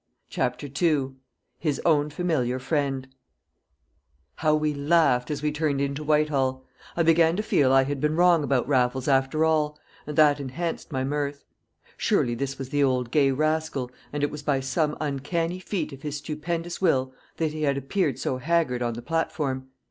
CHAPTER II "His Own Familiar Friend" How we laughed as we turned into Whitehall! I began to feel I had been wrong about Raffles after all, and that enhanced my mirth. Surely this was the old gay rascal, and it was by some uncanny feat of his stupendous will that he had appeared so haggard on the platform.